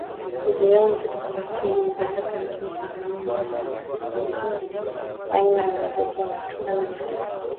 vionjo tofauti hivi sasa nchini Tanzania wapo na singeli aina ya muziki unatokana na